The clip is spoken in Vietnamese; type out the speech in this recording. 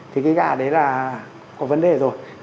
thì cái gà đấy là có vấn đề rồi